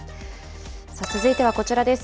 続いてはこちらです。